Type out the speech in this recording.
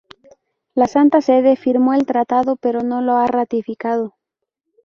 La Santa Sede firmó el tratado pero no lo ha ratificado.